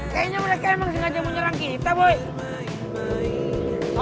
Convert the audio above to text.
kayanya mereka emang sengaja menyerang kita ya